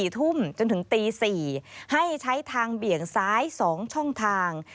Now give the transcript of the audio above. ๔ทุ่มจนถึงตี๔ให้ใช้ทางเบี่ยงซ้าย๒ช่องทาง